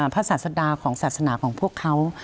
ศาสดาของศาสนาของพวกเขา